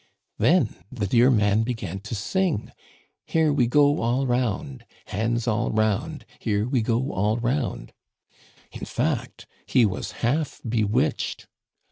Then the dear man began to sing :"* Here we go all round, Hands all round, Here we go all round.* In fact, he was half bewitched.